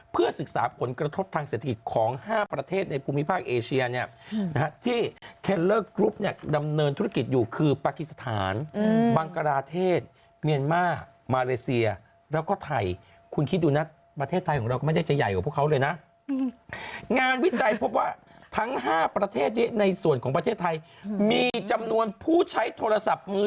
เพื่อศึกษากรกฎกระทบทางเศรษฐิกของ๕ประเทศในภูมิภาคเอเชียเนี่ยนะฮะที่เทร็นเลอร์กรุ๊ปเนี่ยดำเนินธุรกิจอยู่คือประกิษฐานบังกาลาเทศเมียนมาร์มาเลเซียแล้วก็ไทยคุณคิดดูนะประเทศไทยของเราก็ไม่ได้จะใหญ่กว่าพวกเขาเลยนะงานวิจัยพบว่าทั้ง๕ประเทศในส่วนประเท